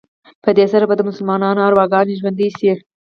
په دې سره به د مسلمانانو ارواګانې ژوندي شي.